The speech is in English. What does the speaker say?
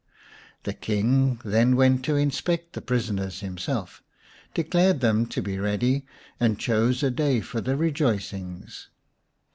The King then went to inspect the prisoners himself, declared them to be ready, and chose a day for the rejoicings.